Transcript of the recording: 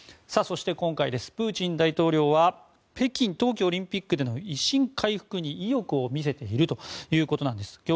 そして、今回プーチン大統領は北京冬季オリンピックでの威信回復に意欲を見せているということなんです。